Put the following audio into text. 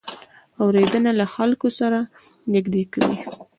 اورېدنه له خلکو سره نږدې کوي.